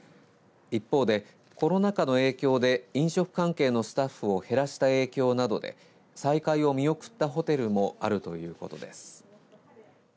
一方でコロナ禍の影響で飲食関係のスタッフを減らした影響などで再開を見送ったホテルもあるということです。